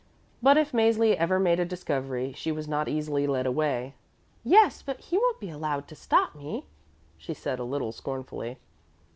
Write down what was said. But if Mäzli ever made a discovery, she was not easily led away. "Yes, but he won't be allowed to stop me," she said a little scornfully.